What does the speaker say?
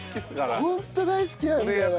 ホント大好きなんだよ。